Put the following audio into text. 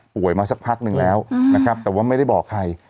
มาสักพักหนึ่งแล้วนะครับแต่ว่าไม่ได้บอกใคร